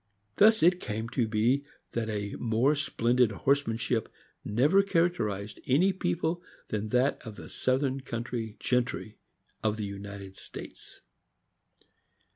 Thus it came to be that a more splendid horsemanship never characterized any people than that of the Southern country gentry of the United States.